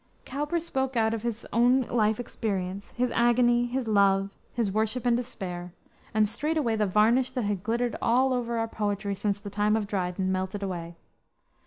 Cowper spoke out of his own life experience, his agony, his love, his worship and despair; and straightway the varnish that had glittered over all our poetry since the time of Dryden melted away.